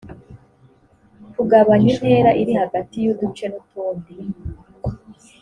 kugabanya intera iri hagati y uduce n utundi